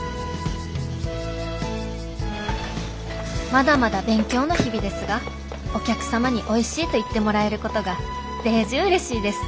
「まだまだ勉強の日々ですがお客様においしいと言ってもらえることがデージうれしいです」。